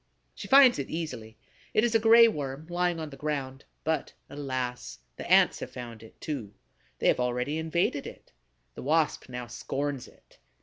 She finds it easily. It is a Gray Worm, lying on the ground: but, alas, the Ants have found it, too; they have already invaded it. The Wasp now scorns it.